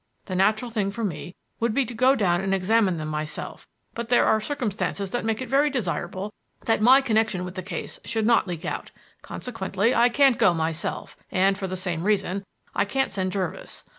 The natural thing for me would be to go down and examine them myself, but there are circumstances that make it very desirable that my connection with the case should not leak out. Consequently, I can't go myself, and, for the same reason, I can't send Jervis.